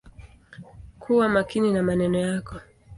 Kuwa makini na maneno yako.